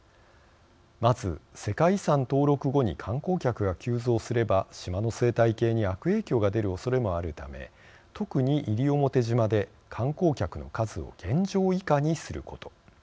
まず、世界遺産登録後に観光客が急増すれば島の生態系に悪影響が出るおそれもあるため特に西表島で観光客の数を現状以下にすること。